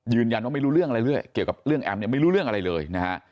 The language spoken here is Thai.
ไม่รู้เรื่องอะไรเรื่อยเกี่ยวกับเรื่องแอมเนี่ยไม่รู้เรื่องอะไรเลยนะฮะ